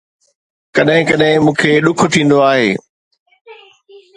ڪڏهن ڪڏهن مون کي ڏک ٿيندو آهي